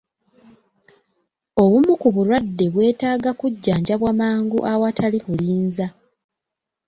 Obumu ku bulwadde bwetaaga kujjanjabwa mangu awatali kulinza.